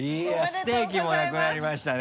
ステーキもなくなりましたね。